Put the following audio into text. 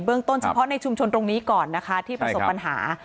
เบื้องต้นเฉพาะในชุมชนตรงนี้ก่อนนะคะใช่ครับที่ประสบปัญหา